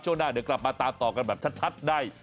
หน้าเดี๋ยวกลับมาตามต่อกันแบบชัดได้